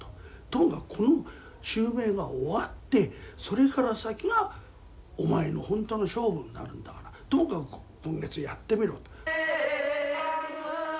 ともかくこの襲名が終わってそれから先がお前の本当の勝負になるんだからともかく今月やってみろと。